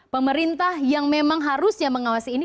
pemerintah yang memang harusnya mengawasi ini